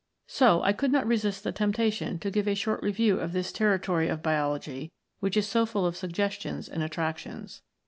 So I could not resist the temptation to give a short review of this territory of Biology which is so full of suggestions and attractions.